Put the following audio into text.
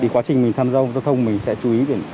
quá trình mình tham gia giao thông mình sẽ chú ý